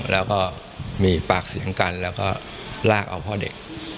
แล้วก็มีปากเสียงกันแล้วก็ลากเอาพ่อเด็ก